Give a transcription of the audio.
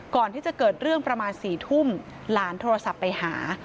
ก่อนที่จะเกิดเรื่องประมาณ๔ทุ่มหลานโทรศัพท์ไปหา